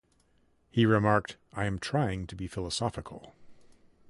He remarked, I am trying to be philosophical.